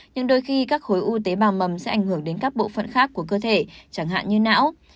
nhưng đôi khi các khối u tế bào mầm sẽ ảnh hưởng đến các bộ phận khác của cơ thể chẳng hạn như não